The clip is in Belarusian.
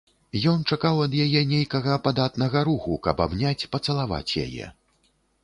Ён чакаў ад яе нейкага падатнага руху, каб абняць, пацалаваць яе.